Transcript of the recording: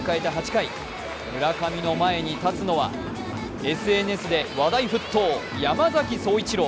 ８回、村上の前に立つのは、ＳＮＳで話題沸騰、山崎颯一郎。